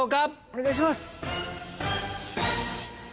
お願いします。